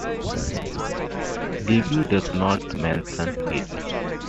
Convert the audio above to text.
Livy does not mention it.